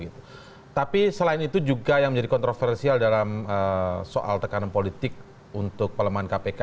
tapi selain itu juga yang menjadi kontroversial dalam soal tekanan politik untuk pelemahan kpk